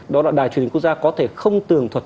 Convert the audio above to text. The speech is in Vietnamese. đó là đài truyền hình quốc gia có thể không tường thuật